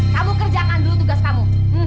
kamu kerjakan dulu tugas kamu